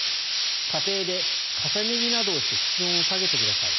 家庭で重ね着などをして室温を下げてください。